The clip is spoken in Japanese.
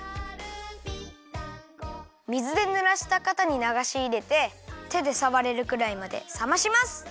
みずでぬらしたかたにながしいれててでさわれるくらいまでさまします！